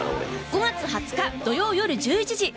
５月２０日土曜よる１１時